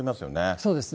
そうですね。